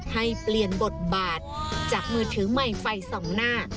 ให้เปลี่ยนบทบาทจากมือถือใหม่ไฟส่องหน้า